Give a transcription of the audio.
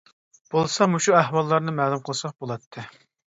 بولسا مۇشۇ ئەھۋاللارنى مەلۇم قىلساق بولاتتى.